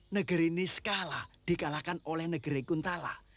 negeri niskala dikalahkan oleh negeri kuntala